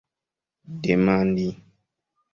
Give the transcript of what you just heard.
demandi